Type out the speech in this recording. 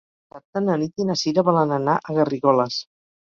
Dissabte na Nit i na Cira volen anar a Garrigoles.